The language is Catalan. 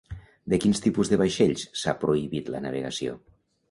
De quins tipus de vaixells s'ha prohibit la navegació?